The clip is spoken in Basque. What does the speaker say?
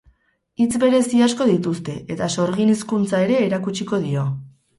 Hitz berezi asko dituzte, eta sorgin hizkuntza ere erakutsiko dio.